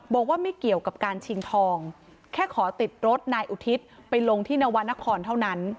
บอกว่าไม่เกี่ยวกับการชิงทองแค่ขอติดรถนายอุทิศไปลงที่นวรรณครเท่านั้น